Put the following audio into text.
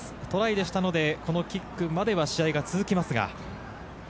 トライでしたので、このキックまでは試合が続きますが。